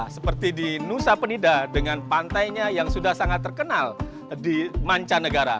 seperti di nusa penida dengan pantainya yang sudah sangat terkenal di mancanegara